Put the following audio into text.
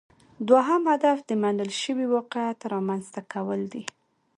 دوهم هدف د منل شوي واقعیت رامینځته کول دي